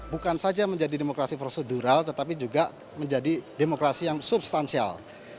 bukan saja menjadi demokrasi prosedural tetapi juga menjadi demokrasi yang substansial